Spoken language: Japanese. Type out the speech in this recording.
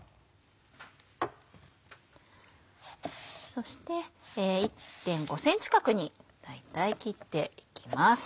そして１．５ｃｍ角に大体切っていきます。